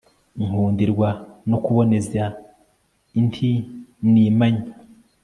nkundirwa no kuboneza inti nimanye